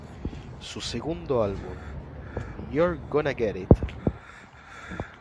Su segundo álbum, "You're Gonna Get It!